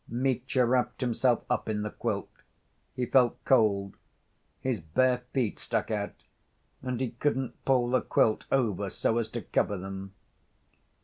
Mitya wrapped himself up in the quilt. He felt cold. His bare feet stuck out, and he couldn't pull the quilt over so as to cover them.